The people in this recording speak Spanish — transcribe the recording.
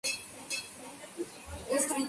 Es llamado el "hermano de nuestro Dios".